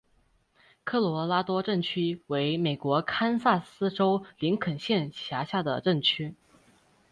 科罗拉多镇区为美国堪萨斯州林肯县辖下的镇区。